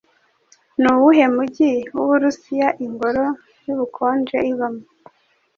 Nuwuhe mujyi wuburusiya Ingoro yubukonje ibamo ?